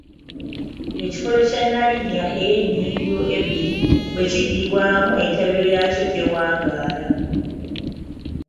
Ekikolo kya nnaalinnya ey’ennyingo ebbiri bwe kiddibwamu entabiro yaakyo tewangaala.